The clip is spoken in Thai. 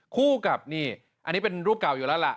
คู่กับนี่อันนี้เป็นรูปเก่าอยู่แล้วล่ะ